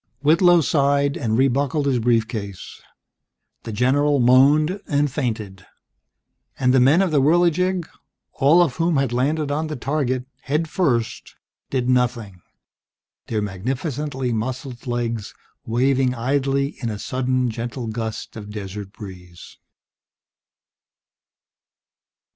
Whitlow sighed and re buckled his brief case. The general moaned and fainted. And the men of the Whirligig, all of whom had landed on the target head first, did nothing, their magnificently muscled legs waving idly in a sudden gentle gust of desert breeze.